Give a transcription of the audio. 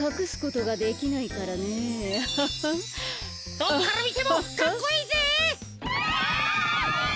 どこからみてもかっこいいぜ。